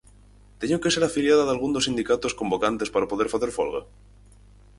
Teño que ser afiliada dalgún dos sindicatos convocantes para poder facer folga?